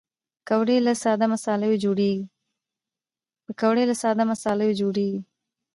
پکورې له ساده مصالحو جوړېږي